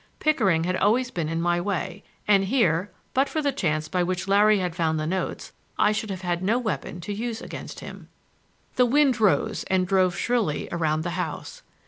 Pickering had always been in my way, and here, but for the chance by which Larry had found the notes, I should have had no weapon to use against him. The wind rose and drove shrilly around the house.